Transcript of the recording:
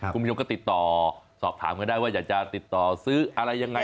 คุณผู้ชมก็ติดต่อสอบถามกันได้ว่าอยากจะติดต่อซื้ออะไรยังไง